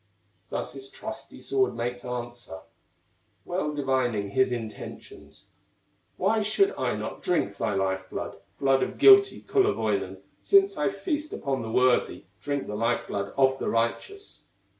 Thus his trusty sword makes answer, Well divining his intentions: "Why should I not drink thy life blood, Blood of guilty Kullerwoinen, Since I feast upon the worthy, Drink the life blood of the righteous?"